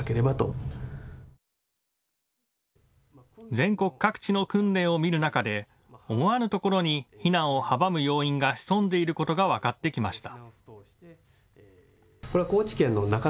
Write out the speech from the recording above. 全国各地の訓練を見る中で思わぬところに避難を阻む要因が潜んでいることが分かってきました。